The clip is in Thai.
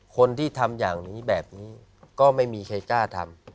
คนที่ทำอย่างนี้แบบนี้ก็ไม่มีใครกล้าทำ